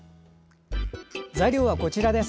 材料はこちらです。